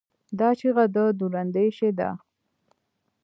دا چیغه د دوراندیشۍ ده.